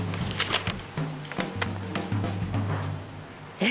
えっ？